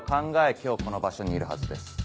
今日この場所にいるはずです。